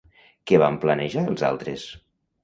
Què van planejar els altres?